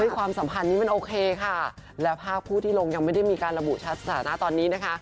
ความสัมพันธ์นี้มันโอเคค่ะและภาพคู่ที่ลงยังไม่ได้มีการระบุชัดสถานะตอนนี้นะคะ